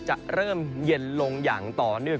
จะเริ่มเย็นลงอย่างต่อเนื่อง